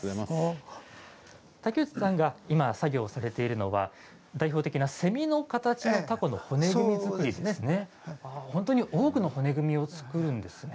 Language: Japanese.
竹内さんが今、作業されているのは代表的なセミの形の凧の骨組み作りですね。